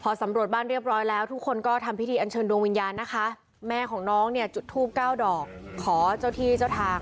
พอสำรวจบ้านเรียบร้อยแล้วทุกคนก็ทำพิธีอันเชิญดวงวิญญาณนะคะแม่ของน้องเนี่ยจุดทูบเก้าดอกขอเจ้าที่เจ้าทาง